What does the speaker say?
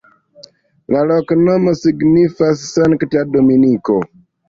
La loknomo signifas: sankta-Dominiko.